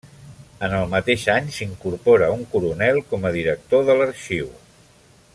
En el mateix any s’incorpora un coronel com a director de l'arxiu.